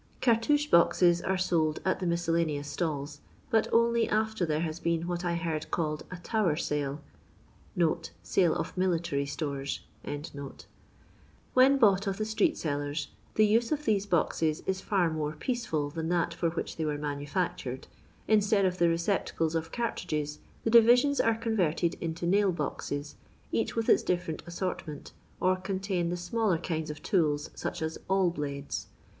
VarUmeke boxet are sold at the miscellaneous stalls, but only after there has been what I heaid called a " Tower sale " (sale of military stores). When bought of the street sellers, the use of these boxes is ba more peaceful than that for which they were manu&ctured. Instead of the recep tacles of cartridges, the divisions are conTerted into nail boxes, each with iu different assortment, or contain the smaller kinds of tools, such as awl blades.